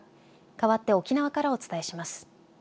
かわって沖縄からお伝えします。